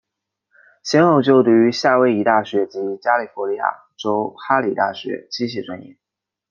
先后就读于夏威夷大学及加利福尼亚州哈里大学机械专业。